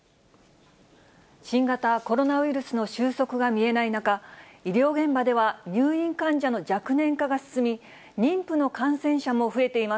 新型コロナウイルスの収束が見えない中、医療現場では入院患者の若年化が進み、妊婦の感染者も増えていま